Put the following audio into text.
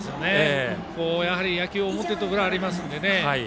やはり野球は表と裏がありますので。